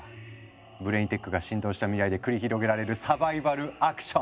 ブレインテックが浸透した未来で繰り広げられるサバイバルアクション！